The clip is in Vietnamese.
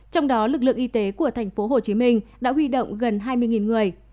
trong đó lực lượng y tế của tp hcm đã huy động gần hai mươi người